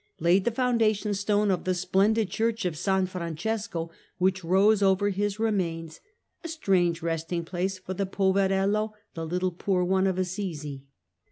laid the foundation stone of the splendid church of San Francesco which rose over his remains, a strange resting place for the " Poverello" the " Little Poor One " of Assisi.